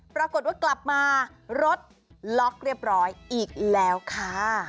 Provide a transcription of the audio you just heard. ปรากฏว่ากลับมารถล็อกเรียบร้อยอีกแล้วค่ะ